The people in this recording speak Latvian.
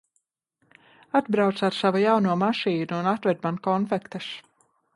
Atbrauc ar savu jauno mašīnu un atved man konfektes.